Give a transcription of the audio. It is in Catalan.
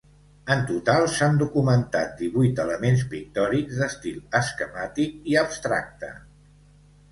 En total s'han documentat divuit elements pictòrics d'estil esquemàtic i abstracte.